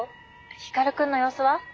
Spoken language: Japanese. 光くんの様子は？